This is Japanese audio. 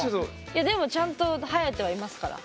いやでもちゃんと生えてはいますから。